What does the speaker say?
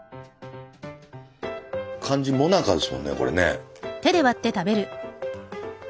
感じもなかですもんねこれね。